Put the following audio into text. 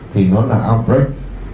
thì nó là outbreak